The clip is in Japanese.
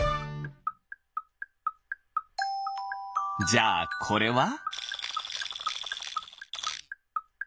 じゃあこれは？